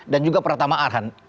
dan juga pratama arhan